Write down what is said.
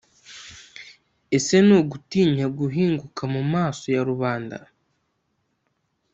Ese ni ugutinya guhinguka mu maso ya Rubanda